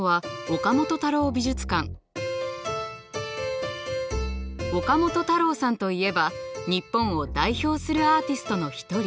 岡本太郎さんといえば日本を代表するアーティストの一人。